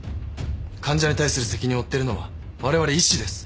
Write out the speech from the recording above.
患者に対する責任を負ってるのはわれわれ医師です。